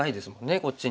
こっちに。